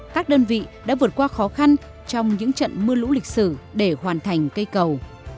các đơn vị đã vượt qua khó khăn trong những trận mưa lũ lịch sử để hoàn thành cây cầu